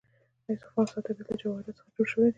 د افغانستان طبیعت له جواهرات څخه جوړ شوی دی.